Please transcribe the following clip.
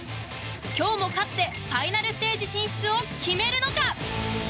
今日も勝ってファイナルステージ進出を決めるのか。